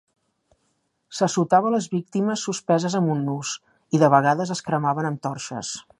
S'assotava les víctimes suspeses amb un nus i, de vegades, es cremaven amb torxes.